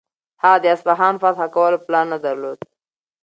هغه د اصفهان فتح کولو پلان نه درلود.